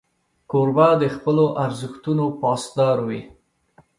کوربه د خپلو ارزښتونو پاسدار وي.